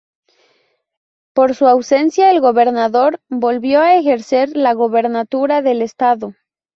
Por ausencia del gobernador, volvió a ejercer la gubernatura del estado.